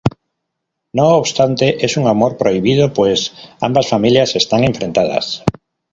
No obstante, es un amor prohibido pues ambas familias están enfrentadas.